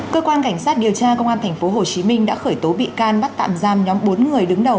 cơ quan cảnh sát điều tra công an tp hcm đã khởi tố bị can bắt tạm giam nhóm bốn người đứng đầu